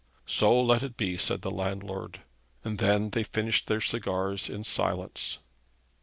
'So let it be,' said the landlord. And then they finished their cigars in silence.